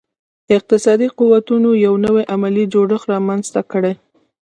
اقتصادي قوتونو یو نوی علمي جوړښت رامنځته کړي.